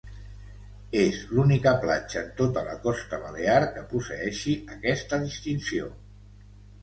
És l'única platja en tota la costa balear que posseeixi aquesta distinció.